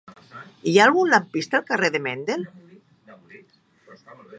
Hi ha algun lampista al carrer de Mendel?